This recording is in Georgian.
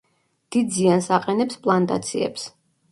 დიდ ზიანს აყენებს პლანტაციებს.